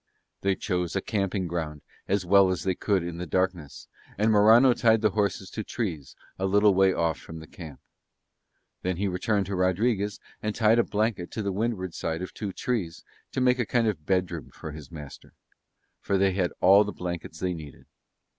They chose a camping ground as well as they could in the darkness and Morano tied the horses to trees a little way off from the camp. Then he returned to Rodriguez and tied a blanket to the windward side of two trees to make a kind of bedroom for his master, for they had all the blankets they needed.